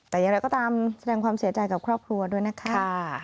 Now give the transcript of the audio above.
แต่อย่างไรก็ตามแสดงความเสียใจกับครอบครัวด้วยนะคะ